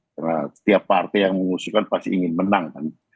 karena setiap parti yang mengusungkan pasti ingin menang